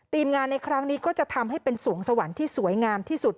งานในครั้งนี้ก็จะทำให้เป็นสวงสวรรค์ที่สวยงามที่สุด